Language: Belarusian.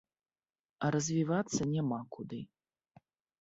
А развівацца няма куды.